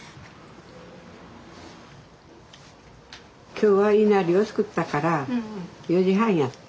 今日はいなりを作ったから４時半やった。